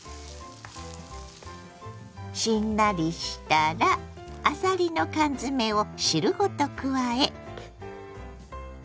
しんなりしたらあさりの缶詰を汁ごと加え。